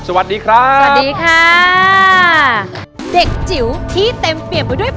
สวัสดีครับ